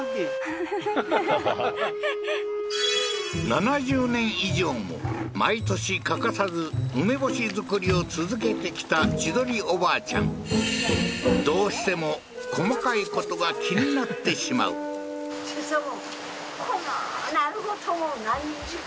７０年以上も毎年欠かさず梅干し作りを続けてきた千鳥おばあちゃんどうしても細かいことが気になってしまうへえー